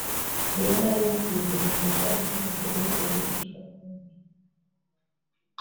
ubu rero narayivuguruye kugirango bazayicurange ivuguruye irusheho kubanyura”